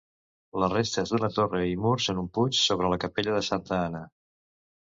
Les restes d'una torre i murs en un puig sobre la capella de Santa Anna.